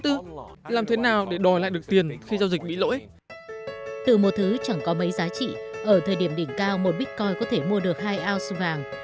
từ một thứ chẳng có mấy giá trị ở thời điểm đỉnh cao một bitcoin có thể mua được hai ounce vàng